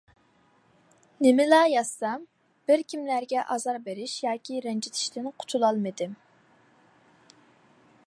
نېمىلا يازسام، بىر كىملەرگە ئازار بېرىش ياكى رەنجىتىشتىن قۇتۇلالمىدىم.